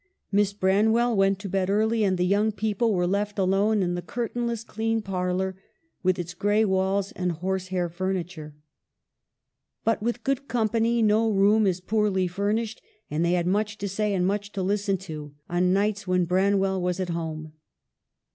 Miss Bran well went to bed early, and the young people were left alone in the curtain less, clean parlor, with its gray walls and horse hair furniture. But with good company no room is poorly furnished ; and they had much to say, and much to listen to, on nights when Branwell was at home.